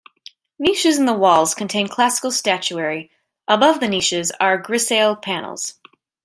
Niches in the walls contain classical statuary; above the niches are grisaille panels.